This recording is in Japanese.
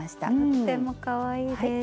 とってもかわいいです。